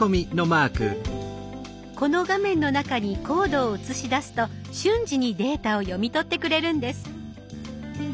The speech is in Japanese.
この画面の中にコードをうつし出すと瞬時にデータを読み取ってくれるんです。